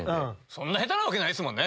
そんな下手なわけないっすもんね